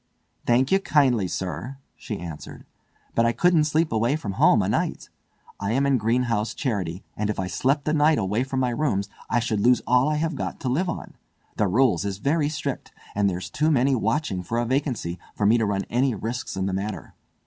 "Thank you kindly, sir!" she answered, "but I couldn't sleep away from home a night. I am in Greenhow's Charity, and if I slept a night away from my rooms I should lose all I have got to live on. The rules is very strict; and there's too many watching for a vacancy for me to run any risks in the matter.